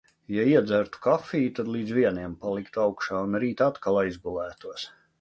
Ja iedzertu kafiju, tad līdz vieniem paliktu augšā un rīt atkal aizgulētos.